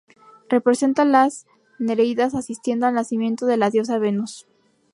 Representa a las nereidas asistiendo al nacimiento de la diosa Venus.